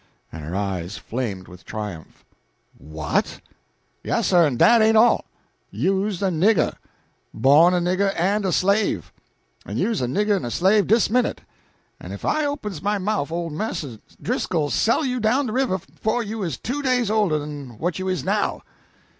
and her eyes flamed with triumph. "What!" "Yassir, en dat ain't all! You's a nigger! bawn a nigger en a slave! en you's a nigger en a slave dis minute; en if I opens my mouf ole Marse Driscoll'll sell you down de river befo' you is two days older den what you is now!"